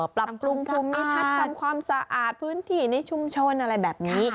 ปรับปรุงภูมิทัศน์ทำความสะอาดพื้นที่ในชุมชนอะไรแบบนี้